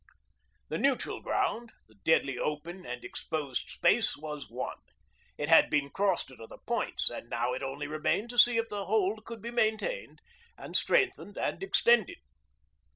The neutral ground, the deadly open and exposed space, was won. It had been crossed at other points, and now it only remained to see if the hold could be maintained and strengthened and extended.